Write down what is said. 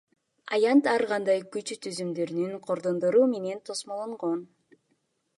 Аянт ар кандай күч түзүмдөрүнүн кордондору менен тосмолонгон.